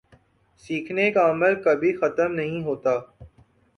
سیکھنے کا عمل کبھی ختم نہیں ہوتا